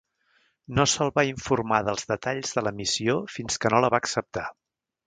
No se"l va informar dels detalls de la missió fins que no la va acceptar.